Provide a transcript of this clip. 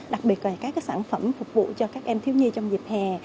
đặc biệt là các sản phẩm phục vụ cho các em thiếu nhi trong dịp hè